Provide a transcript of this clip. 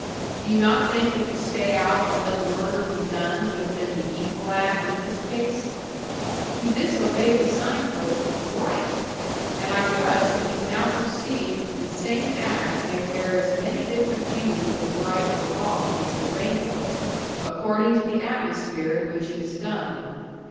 Do you not think that to stay out and let the murder be done would have been the evil act in this case? To disobey the sign post was RIGHT; and I trust that you now perceive the same act may wear as many different hues of right or wrong as the rainbow, according to the atmosphere in which it is done.